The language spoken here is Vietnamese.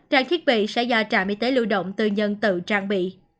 trang thiết bị sẽ do trạm y tế lưu động tư nhân tự trang bị